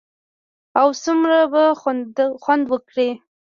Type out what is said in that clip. اه څومره به خوند وکړي.